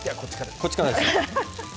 こっちからです。